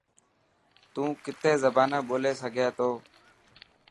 تو ڪتي زبانا ٻولي سگھي ٿو.